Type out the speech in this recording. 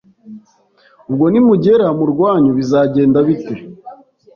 ubwo nimugera mu rwanyu bizagenda bite